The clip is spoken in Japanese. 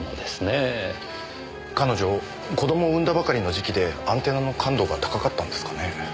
彼女子供を産んだばかりの時期でアンテナの感度が高かったんですかね。